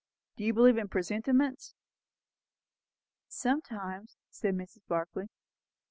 Do you believe in presentiments." "Sometimes," said Mrs. Barclay.